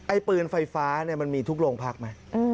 ไอ้ปืนไฟฟ้ามันมีทุกโรงพักล์ไหม